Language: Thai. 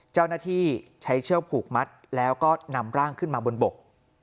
เจ้าหน้าที่ใช้เชือกผูกมัดแล้วก็นำร่างขึ้นมาบนบก